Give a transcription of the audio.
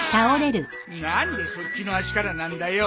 何でそっちの足からなんだよ。